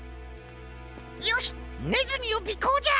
よしねずみをびこうじゃ！